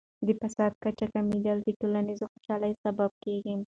د فساد کچې کمیدل د ټولنیز خوشحالۍ سبب کیږي.